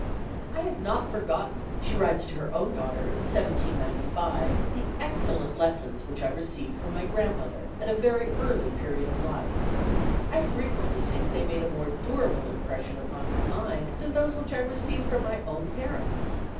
"I have not forgotten," she writes to her own daughter in 1795, "the excellent lessons which I received from my grandmother, at a very early period of life. I frequently think they made a more durable impression upon my mind than those which I received from my own parents.